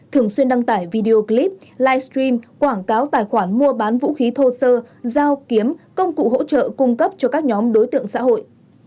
thường xuyên đăng tải video clip livestream quảng cáo tài khoản mua bán vũ khí thô sơ dao kiếm công cụ hỗ trợ cung cấp cho các nhóm đối tượng xã hội